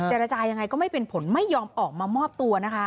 เจรจายังไงก็ไม่เป็นผลไม่ยอมออกมามอบตัวนะคะ